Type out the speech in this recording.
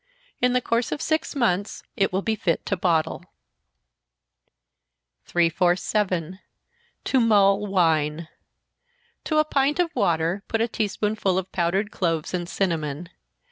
In the course of six months it will be fit to bottle. 347. To mull Wine. To a pint of water put a tea spoonful of powdered cloves and cinnamon.